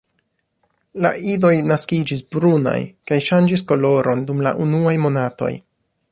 La idoj naskiĝas brunaj kaj ŝanĝas koloron dum la unuaj monatoj.